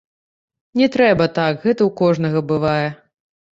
Не трэба так, гэта ў кожнага бывае.